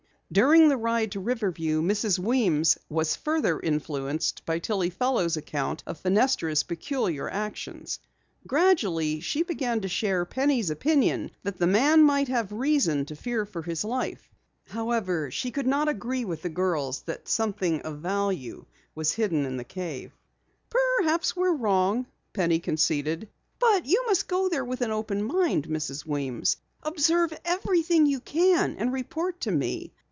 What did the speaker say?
During the ride to Riverview Mrs. Weems was further influenced by Tillie Fellows' account of Fenestra's peculiar actions. Gradually she began to share Penny's opinion that the man might have reason to fear for his life. However, she could not agree with the girls that anything of great value was hidden in the cave. "Perhaps we're wrong," Penny conceded, "but you must go there with an open mind, Mrs. Weems. Observe everything you can and report to me.